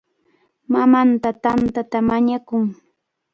Mamanta tantata mañakun.